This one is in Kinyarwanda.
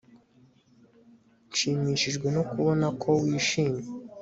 nshimishijwe no kubona ko wishimye